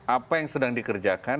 apa yang sedang dikerjakan